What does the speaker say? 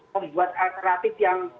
membuat atletik yang